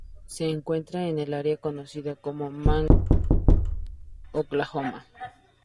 Se encuentra en el área conocida como Mango de Oklahoma.